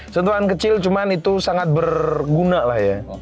sentuhan kecil cuman itu sangat berguna lah ya